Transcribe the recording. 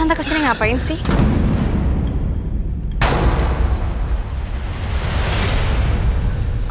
tante kesini ngapain sih